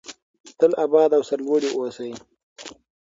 تل اباد او سرلوړي اوسئ.